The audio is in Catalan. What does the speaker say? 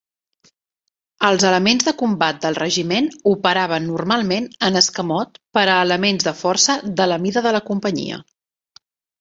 Els elements de combat del regiment operaven normalment en escamot per a elements de força de la mida de la companyia.